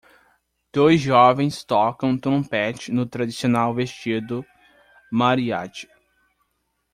Dois jovens tocam trompete no tradicional vestido mariachi.